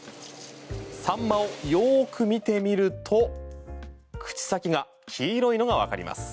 サンマをよく見てみると口先が黄色いのがわかります。